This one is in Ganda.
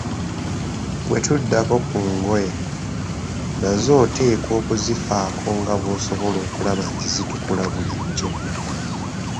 Bwe tuddako ku ngoye, nazo oteekwa okuzifaako nga bw'osobola okulaba nti zitukula bulijjo.